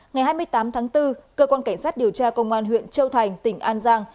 ngày hai mươi tám tháng bốn cơ quan cảnh sát điều tra công an huyện châu thành tỉnh an giang